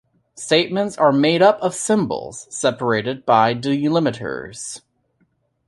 Statements are made up of symbols separated by delimiters.